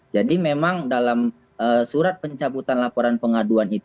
jadi memang dalam surat pencabutan laporan pengaduan